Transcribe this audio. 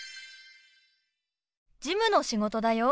事務の仕事だよ。